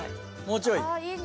もうちょい？